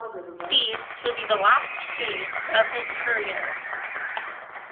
These would be the last saves of his career.